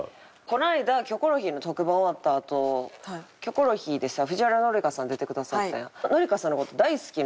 この間『キョコロヒー』の特番終わったあと『キョコロヒー』でさ藤原紀香さん出てくださったやん。